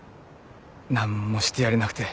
何もしてやれなくて。